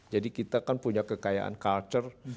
jadi kita kan punya kekayaan culture